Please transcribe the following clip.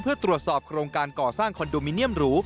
เพื่อตรวจสอบโครงการก่อสร้างคอนโดมิเนียมหรู